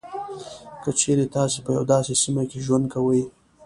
که چېري تاسو په یوه داسې سیمه کې ژوند کوئ.